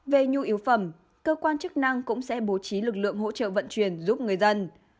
về nhu yếu phẩm cơ quan chức năng cũng sẽ bố trí lực lượng hỗ trợ vận chuyển giúp người dân